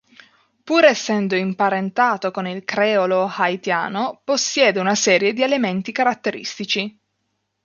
Pur essendo imparentato con il creolo haitiano, possiede una serie di elementi caratteristici.